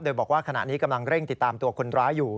โดยบอกว่าขณะนี้กำลังเร่งติดตามตัวคนร้ายอยู่